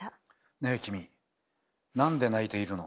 ねえ君なんで泣いているの？